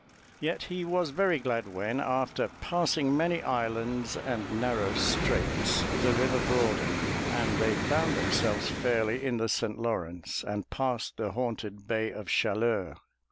Yet he was very glad when, after passing many islands and narrow straits, the river broadened and they found themselves fairly in the St. Lawrence and past the haunted Bay of Chaleurs.